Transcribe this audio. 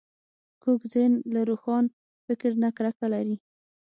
کوږ ذهن له روښان فکر نه کرکه لري